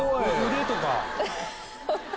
腕とか。